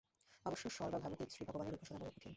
অবশ্য সর্বভাবাতীত শ্রীভগবানের উপাসনা বড় কঠিন।